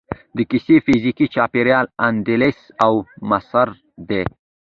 د کیسې فزیکي چاپیریال اندلس او مصر دی.